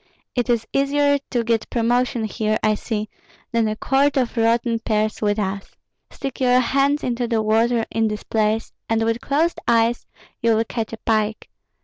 It is easier to get promotion here, I see, than a quart of rotten pears with us. Stick your hands into the water in this place, and with closed eyes you will catch a pike.